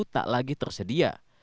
tak lagi tersedia